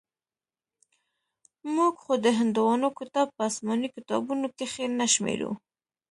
موږ خو د هندوانو کتاب په اسماني کتابونو کښې نه شمېرو.